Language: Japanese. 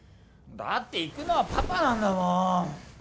だって行くのはパパなんだもん